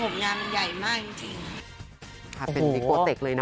เพราะว่าสโขมงานมันใหญ่มากจริง